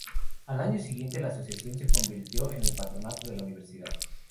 Al año siguiente, la Asociación se convirtió en el Patronato de la Universidad.